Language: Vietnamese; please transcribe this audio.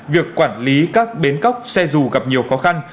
việc quản lý các bến cóc xe dù gặp nhiều khó khăn